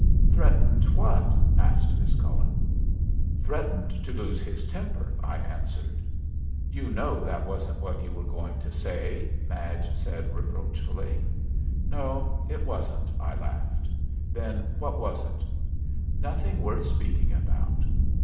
"Threatened what?" asked Miss Cullen. "Threatened to lose his temper," I answered. "You know that wasn't what you were going to say," Madge said reproachfully. "No, it wasn't," I laughed. "Then what was it?" "Nothing worth speaking about."